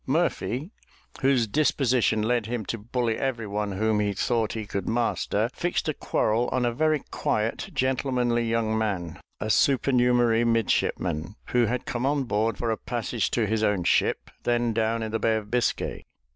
Murphy, whose disposition led him to bully every one whom he thought he could master, fixed a quarrel on a very quiet, gentlemanly young man, a supernumerary midshipman, who had come on board for a passage to his own ship, then down in the Bay of Biscay.